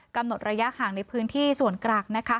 กำหนดระยะห่างในพื้นที่ส่วนกลาง